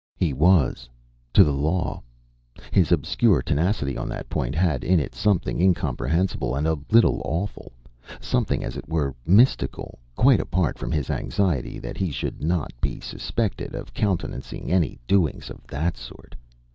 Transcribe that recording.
He was. To the law. His obscure tenacity on that point had in it something incomprehensible and a little awful; something, as it were, mystical, quite apart from his anxiety that he should not be suspected of "countenancing any doings of that sort."